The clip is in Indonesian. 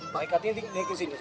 pakai kating ting dia ke sini